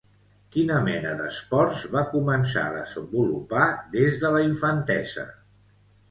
Quina mena d'esports va començar a desenvolupar des de la infantesa?